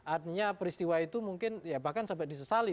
artinya peristiwa itu mungkin ya bahkan sampai disesali